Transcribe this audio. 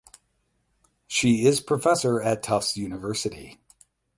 She is professor at Tufts University.